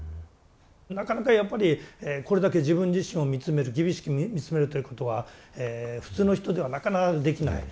なかなかやっぱりこれだけ自分自身を見つめる厳しく見つめるということは普通の人ではなかなかできない。